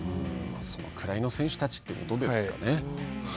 そのくらいの選手たちということですかね。